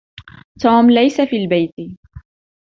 توم ليس في البيت.